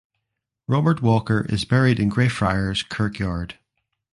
Robert Walker is buried in Greyfriars Kirkyard.